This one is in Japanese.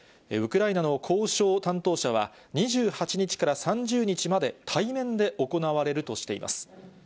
ウクライナの交渉担当者は、２８日から３０日まで、対面で行われるとしています。